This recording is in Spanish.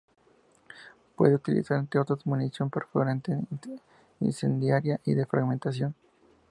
Puede utilizar, entre otras, munición perforante, incendiaria y de fragmentación.